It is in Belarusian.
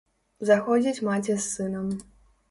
Заходзіць маці з сынам.